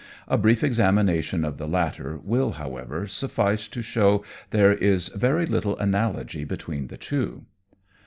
A brief examination of the latter will, however, suffice to show there is very little analogy between the two.